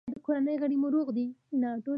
ایا د کورنۍ غړي مو روغ دي؟